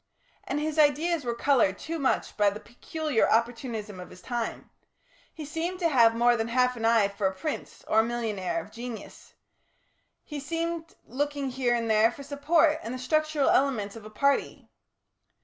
And his ideas were coloured too much by the peculiar opportunism of his time; he seemed to have more than half an eye for a prince or a millionaire of genius; he seemed looking here and there for support and the structural elements of a party.